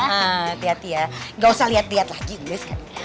hati hati ya gak usah liat liat lagi gue sekali